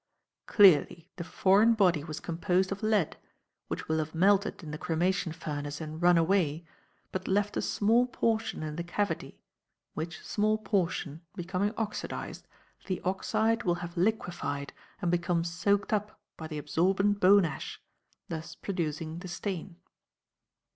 Clearly the foreign body was composed of lead, which will have melted in the cremation furnace and run away, but left a small portion, in the cavity, which small portion, becoming oxidized, the oxide will have liquified and become soaked up by the absorbent bone ash, thus producing the stain.